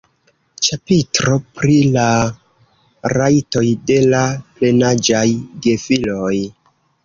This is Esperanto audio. Ĉapitro pri la rajtoj de la plenaĝaj gefiloj.